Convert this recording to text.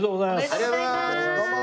ありがとうございますどうも。